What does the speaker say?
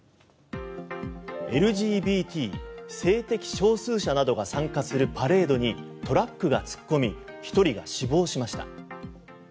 ＬＧＢＴ・性的少数者などが参加するパレードにトラックが突っ込み１人が死亡しました。